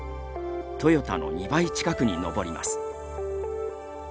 トヨタの２倍近くに上ります。